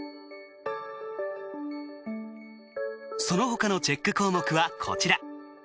その他のチェック項目はこちら。